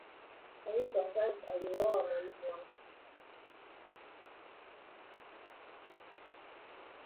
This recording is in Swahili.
Raisi wa France aliowa mwalimu wake